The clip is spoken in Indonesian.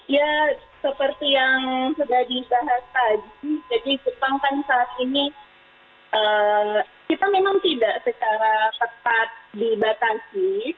ya seperti yang sudah dibahas tadi jadi jepang kan saat ini kita memang tidak secara tepat dibatasi